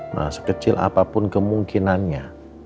ma sekecil apapun kemungkinannya